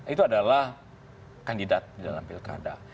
itu adalah kandidat di dalam pilkada